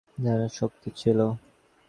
যেন শক্তি ছিল, কিন্তু তাহাতে প্রাণ ছিল না।